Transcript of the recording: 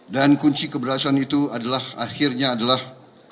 dan kunci keberhasilan itu adalah akhirnya adalah